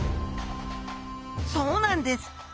そうなんです！